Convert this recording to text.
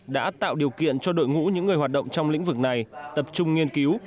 đã tạo điều kiện cho đội ngũ những người hoạt động trong lĩnh vực này tập trung nghiên cứu